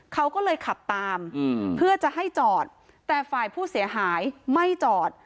เขาก็เลยขับตามเพื่อจะให้จอดแต่ฝ่ายผู้เสียหายไม่จอด